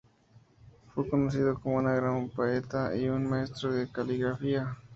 Fue conocido como un gran poeta y un maestro de caligrafía.